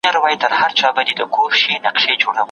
ګل بې له اغزي نه وي.